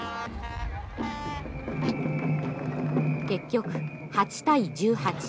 結局８対１８。